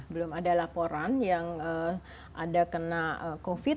belum ada laporan yang ada kena covid